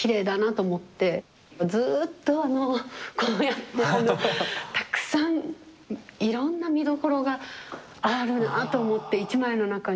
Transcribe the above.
ずっとあのこうやってこのたくさんいろんな見どころがあるなと思って一枚の中に。